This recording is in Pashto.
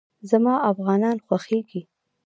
زما افغانان خوښېږي